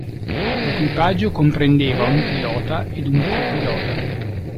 L'equipaggio comprendeva un pilota ed un copilota.